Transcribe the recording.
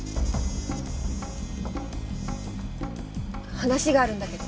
話があるんだけど。